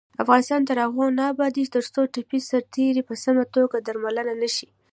افغانستان تر هغو نه ابادیږي، ترڅو ټپي سرتیري په سمه توګه درملنه نشي.